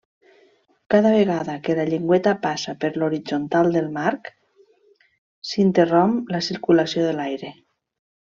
Cada vegada que la llengüeta passa per l'horitzontal del marc, s'interromp la circulació d'aire.